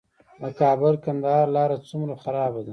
د کابل - کندهار لاره څومره خرابه ده؟